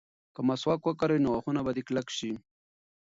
که مسواک وکاروې نو غاښونه به دې کلک شي.